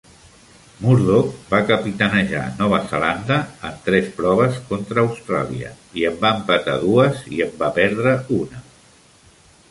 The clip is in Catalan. Murdoch va capitanejar Nova Zelanda en tres proves contra Austràlia, i en va empatar dues i en va perdre una.